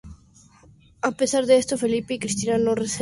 A pesar de esto Felipe y Cristina no se rindieron.